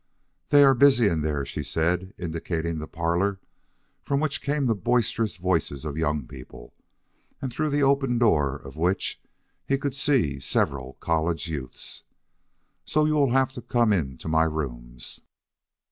"They are busy in there," she said, indicating the parlor from which came the boisterous voices of young people, and through the open door of which he could see several college youths. "So you will have to come into my rooms."